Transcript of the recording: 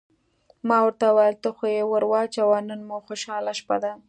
ما ورته وویل: ته خو یې ور واچوه، نن مو خوشحاله شپه ده.